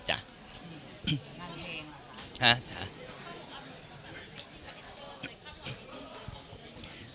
งานเพลง